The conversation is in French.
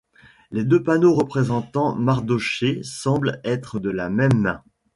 Les deux panneaux représentant Mardochée semblent être de la même main.